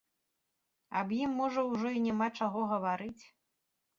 Аб ім можа ўжо і няма чаго гаварыць.